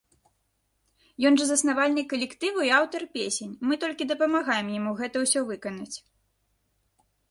Ён жа заснавальнік калектыву і аўтар песень, мы толькі дапамагаем яму гэта ўсё выканаць.